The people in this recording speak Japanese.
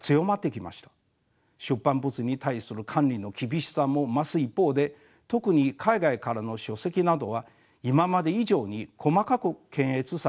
出版物に対する管理の厳しさも増す一方で特に海外からの書籍などは今まで以上に細かく検閲されています。